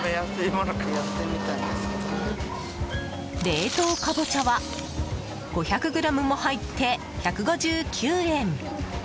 冷凍かぼちゃは５００ｇも入って１５９円。